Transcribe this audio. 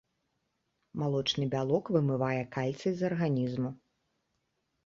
Малочны бялок вымывае кальцый з арганізму.